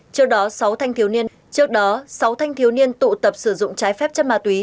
trước đó sáu thanh thiếu niên tụ tập sử dụng trái phép chất ma túy